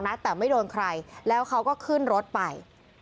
นะแต่ไม่โดนใครแล้วเขาก็ขึ้นรถไป